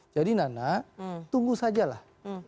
jadi nana tunggu sajalah